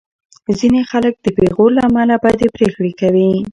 ځینې خلک د پېغور له امله بدې پرېکړې کوي.